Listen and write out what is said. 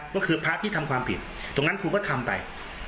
ก็คือพระที่ทำความผิดตรงนั้นครูก็ทำไป